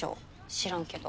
知らんけど。